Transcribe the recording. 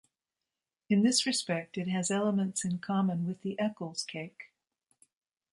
In this respect, it has elements in common with the Eccles cake.